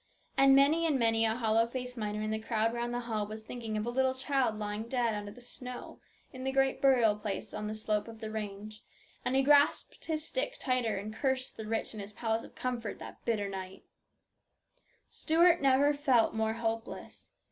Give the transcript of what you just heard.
And many and many a hollow faced miner in the crowd round the hall was thinking of a little child lying dead under the snow in the great burial place on the slope of the range, and he grasped his stick tighter and cursed the rich in his palace of comfort that bitter night. 264 AN ORATOR. 265 Stuart never felt more helpless.